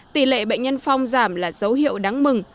tỷ lệ bệnh nhân phong giảm là dấu hiệu đáng mừng